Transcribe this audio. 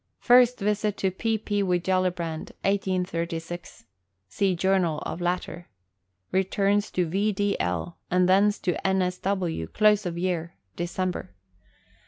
First visit to P. P. with Gellibrand, 1836. See journal of latter. Returns to V. D. L., and thence to N. S. W. close of year December.